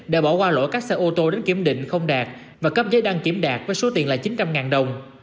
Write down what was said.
đã bỏ qua lỗi các xe ô tô đến kiểm định không đạt và cấp giấy đăng kiểm đạt với số tiền là chín trăm linh đồng